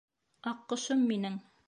Аҡҡошом минең.